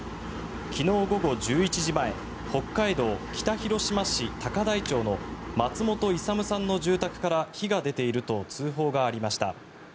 昨日午後１１時前北海道北広島市高台町の松本勇さんの住宅から火が出ていると通報がありました。